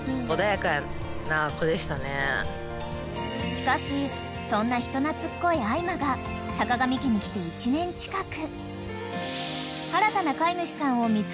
［しかしそんな人懐っこいあいまがさかがみ家に来て１年近く］